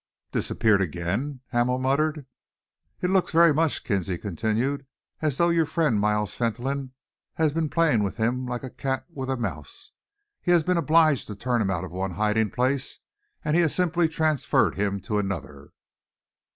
"Disappeared again?" Hamel muttered. "It looks very much," Kinsley continued, "as though your friend Miles Fentolin has been playing with him like a cat with a mouse. He has been obliged to turn him out of one hiding place, and he has simply transferred him to another."